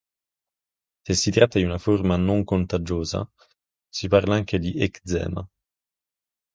Se si tratta di una forma "non contagiosa", si parla anche di "eczema".